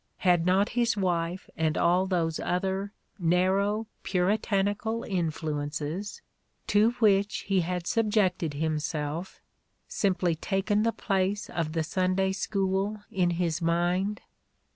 Had not his wife and all those other narrow, puritanical influences to which he had subjected himself simply taken the place of the Sunday School in his mind?